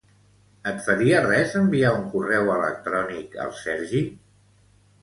Et faria res enviar un correu electrònic al Sergi?